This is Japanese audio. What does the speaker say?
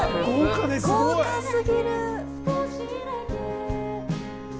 豪華過ぎる！